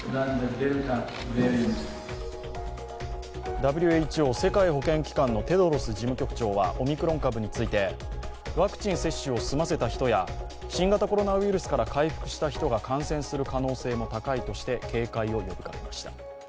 ＷＨＯ＝世界保健機関のテドロス事務局長はオミクロン株についてワクチン接種を済ませた人や新型コロナウイルスから回復した人が感染する可能性も高いとして警戒を呼びかけました。